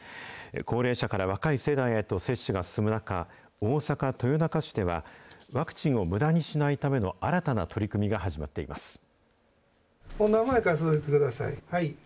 高齢者から若い世代へと接種が進む中、大阪・豊中市では、ワクチンをむだにしないための新たな取り組みが始まっています。